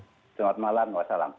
selamat malam wassalam